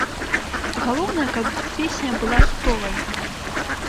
Галоўнае, каб песня была хітовая.